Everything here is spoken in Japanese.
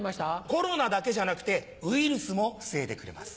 コロナだけじゃなくてウイルスも防いでくれます。